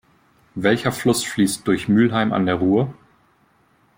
Welcher Fluss fließt durch Mülheim an der Ruhr?